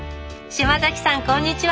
島崎さんこんにちは！